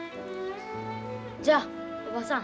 じゃあおばさん